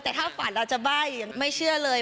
แต่ถ้าฝันเราจะบ้ายังไม่เชื่อเลย